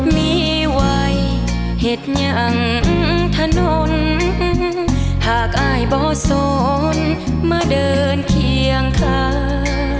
มีวัยเห็ดยังถนนหากอายบ่อโสนมาเดินเคียงข้าง